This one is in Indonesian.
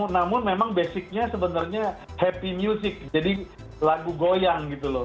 namun memang basicnya sebenarnya happy music jadi lagu goyang gitu loh